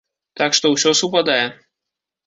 Так што ўсё супадае.